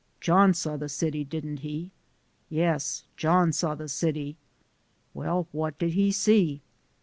John saw the city, didn't he? Yes, John saw the city. Well, what did he see?